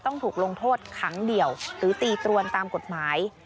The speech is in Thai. ต้องถูกลงโทษขังเดี่ยวหรือตีตรวนตามกฎหมาย